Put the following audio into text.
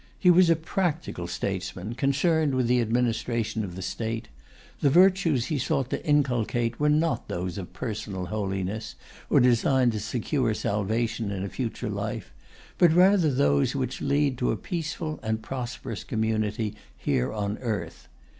He was a practical statesman, concerned with the administration of the State; the virtues he sought to inculcate were not those of personal holiness, or designed to secure salvation in a future life, but rather those which lead to a peaceful and prosperous community here on earth.